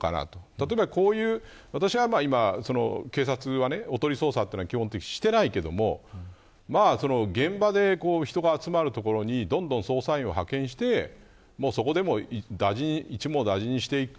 例えば、私は今警察はおとり捜査は基本的にしていないけど現場で、人が集まる所にどんどん捜査員を派遣してそこで一網打尽にしていく。